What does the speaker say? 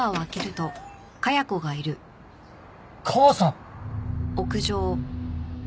母さん！？